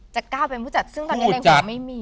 ก้าวเป็นผู้จัดซึ่งตอนนี้ในหัวไม่มี